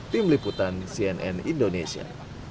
tim liputan cnn indonesia